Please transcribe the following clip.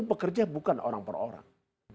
bekerja bukan orang per orang